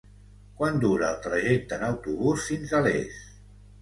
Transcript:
Quant dura el trajecte en autobús fins a Les?